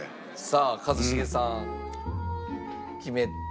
さあ一茂さん決め。